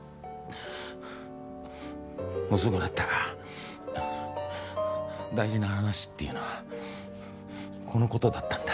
遅くなったが大事な話っていうのはこのことだったんだ。